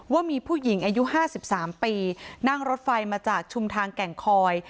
ว่ามีผู้หญิงอายุ๕๓ปีนั่งรถไฟมาจากชุมทางแก่งคอย